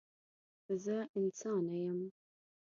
زه انسانه یم.